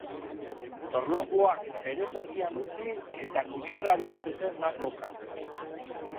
Torlojuak bere tokian utzi eta kutxara abiatu zen zangoka.